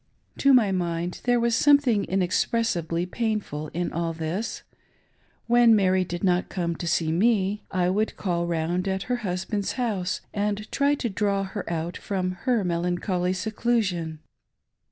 To my mind there was something inexpressibly painful in all this. When Mary did not come to see rrie, I would call round at her husband's house, and try to draw her out from her melancholy seclusion.